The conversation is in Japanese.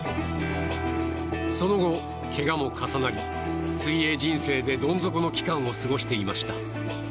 その後、けがも重なり水泳人生でどん底の期間を過ごしていました。